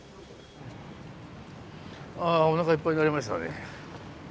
あおなかいっぱいになりましたね。